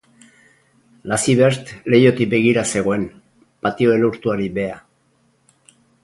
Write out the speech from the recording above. Lacivert leihotik begira zegoen, patio elurtuari beha.